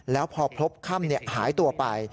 แล้วพอพบค่ำหายตัวไป